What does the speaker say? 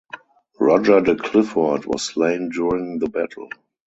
Roger de Clifford was slain during the battle.